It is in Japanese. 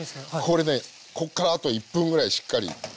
これねこっからあと１分ぐらいしっかり。